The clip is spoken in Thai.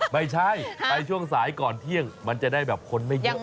ไม่ใช่ไปช่วงสายก่อนเที่ยงมันจะได้แบบคนไม่เยอะ